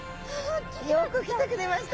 よく来てくれました。